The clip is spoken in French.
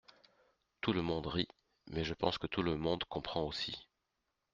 Tout le monde rit, mais je pense que tout le monde comprend aussi.